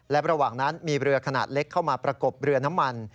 และระหว่างนั้นมีเรือขนาดเล็กเข้ามาประกบเรือน้ำมัน